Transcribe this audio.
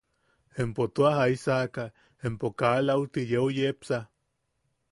–¿Empo tua jaisaka empo kaa lauti yeu yepsa?